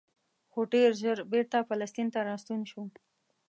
خو ډېر ژر بېرته فلسطین ته راستون شو.